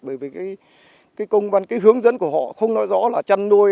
bởi vì cái hướng dẫn của họ không nói rõ là chăn nuôi